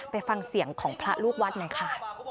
ไปฟังเสียงของพระลูกวัดหน่อยค่ะ